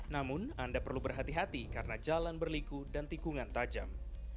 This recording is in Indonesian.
namun anda perlu berhati hati karena jalan berliku dan tikungan tajam